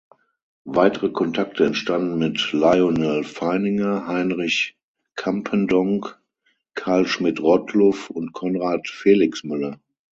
Weitere Kontakte entstanden mit Lyonel Feininger, Heinrich Campendonk, Karl Schmidt-Rottluff und Conrad Felixmüller.